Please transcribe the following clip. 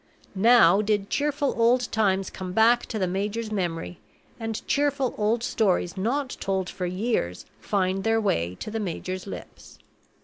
Now did cheerful old times come back to the major's memory, and cheerful old stories not told for years find their way to the major's lips.